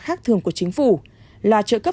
khác thường của chính phủ là trợ cấp